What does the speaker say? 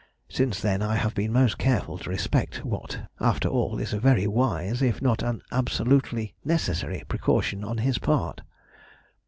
Since then I have been most careful to respect what, after all, is a very wise, if not an absolutely necessary, precaution on his part."